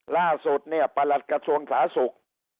ล่าสุดเนี่ยประหลัดกระทรวงสาธารณสุข